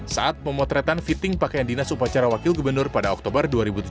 saat pemotretan fitting pakaian dinas upacara wakil gubernur pada oktober dua ribu tujuh belas